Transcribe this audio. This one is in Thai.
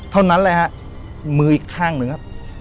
เท่านั้นไหมมืออีกข้างหนึ่ง